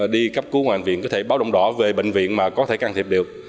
đi cấp cứu ngoại viện có thể báo động đỏ về bệnh viện mà có thể can thiệp được